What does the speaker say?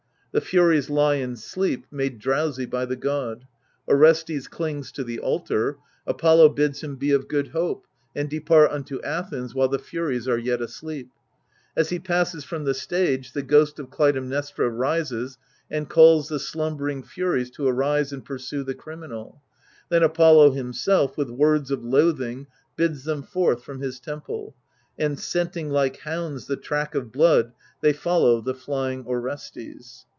The Furies lie in sleep, made drowsy by the God : Orestes clings to the altar : Apollo bids him be of good hope, and depart unto Athens while the Furies are yet asleep. As he passes from the stage, the ghost of Clytemnestra rises and calls the slumbering Furies to arise and pursue the criminal. Then Apollo himself, with words of loathing, bids them forth from his temple ; and, scenting like hounds the track of blood, they follow the flying Orestes.